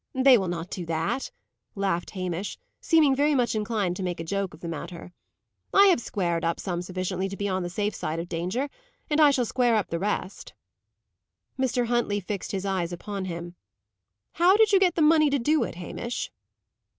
"They will not do that," laughed Hamish, seeming very much inclined to make a joke of the matter. "I have squared up some sufficiently to be on the safe side of danger, and I shall square up the rest." Mr. Huntley fixed his eyes upon him. "How did you get the money to do it, Hamish?"